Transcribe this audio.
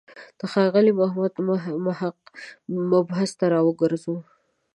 د ښاغلي محمد محق مبحث ته راوګرځو.